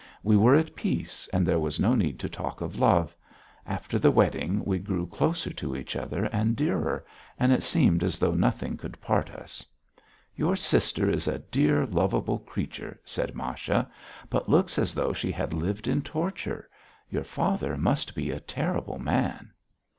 We were at peace and there was no need to talk of love; after the wedding we grew closer to each other and dearer, and it seemed as though nothing could part us. "Your sister is a dear, lovable creature," said Masha, "but looks as though she had lived in torture. Your father must be a terrible man."